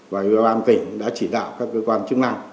và ủy ban tỉnh đã chỉ đạo các cơ quan chức năng